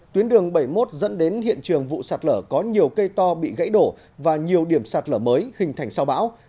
tuyến đường bảy mươi một dẫn đến hiện trường vụ sạt lở có nhiều cây to bị gãy đổ và nhiều điểm sạt lở mới hình thành sau bão